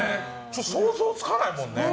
想像がつかないもんね。